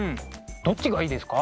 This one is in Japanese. どっちがいいですか？